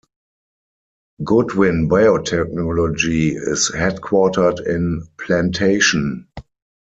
Goodwin Biotechnology is headquartered in Plantation.